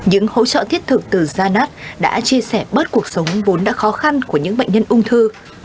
những hỗ trợ thiết thực từ zanat đã chia sẻ bớt cuộc sống vốn đã khó khăn của những bệnh nhân ung thư